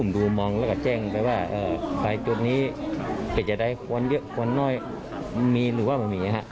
ดูมองแล้วก็แจ้งไปว่าใจจุดนี้จะได้ควรเยอะควรน้อยมีหรือว่าไม่มี